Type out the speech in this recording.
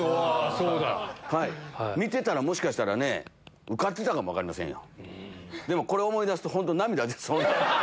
見てたらもしかしたらね受かってたかも分かりませんよ。